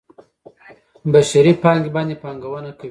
بشري پانګې باندې پانګونه کوي.